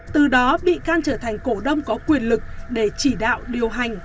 từ đó bị can trở thành cổ đông có quyền lực để chỉ đạo điều hành